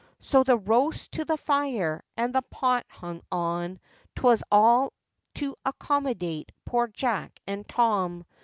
So the roast to the fire, and the pot hung on, 'Twas all to accommodate poor Jack and Tom.